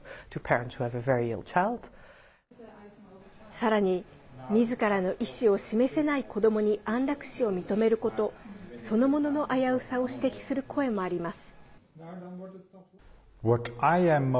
さらに、みずからの意思を示せない子どもに安楽死を認めること、そのものの危うさを指摘する声もあります。